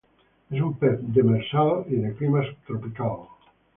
Es un pez demersal y de clima subtropical.